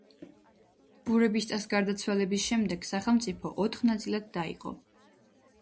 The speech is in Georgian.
ბურებისტას გარდაცვალების შემდეგ სახელმწიფო ოთხ ნაწილად დაიყო.